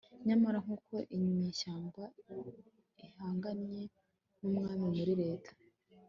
nyamara, nkuko inyeshyamba ihanganye n'umwami muri leta